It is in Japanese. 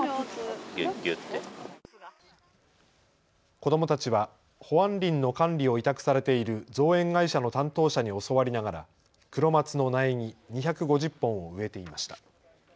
子どもたちは保安林の管理を委託されている造園会社の担当者に教わりながらクロマツの苗木２５０本を植えていました。